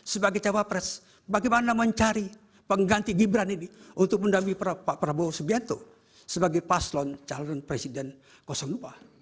sebagai jawab pres bagaimana mencari pengganti gibran ini untuk mendamai pak prabowo subianto sebagai paslon calon presiden kosong lupa